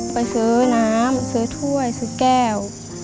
ไปซื้อน้ำซื้อถ้วยซื้อแก้ว